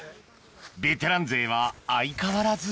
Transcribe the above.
ベテラン勢は相変わらず